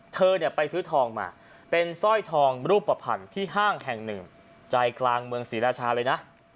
เธอเนี่ยไปซื้อทองมาเป็นสร้อยทองรูปภัณฑ์ที่ห้างแห่งหนึ่งใจกลางเมืองศรีราชาเลยนะ